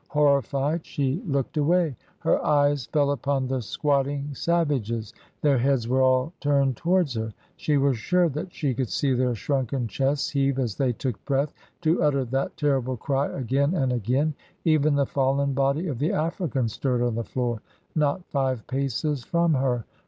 Horrified, she looked away. Her eyes fell upon the squatting savages their heads were all turned towards her, she was sure that she could see their shrunken chests heave as they took breath to utter that terrible cry again and again; even the fallen body of the African stirred on the floor, not five paces from her.